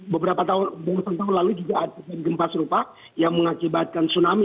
beberapa tahun lalu juga ada gempa serupa yang mengakibatkan tsunami